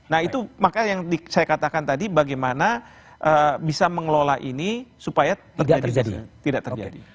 nah itu makanya yang saya katakan tadi bagaimana bisa mengelola ini supaya tidak terjadi